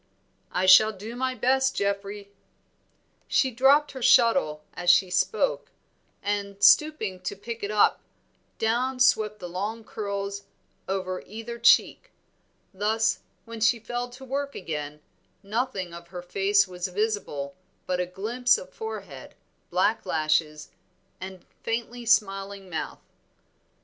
"I shall do my best, Geoffrey." She dropped her shuttle as she spoke, and stooping to pick it up, down swept the long curls over either cheek; thus, when she fell to work again, nothing of her face was visible but a glimpse of forehead, black lashes and faintly smiling mouth.